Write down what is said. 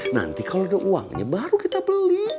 nanti kalau ada uangnya baru kita beli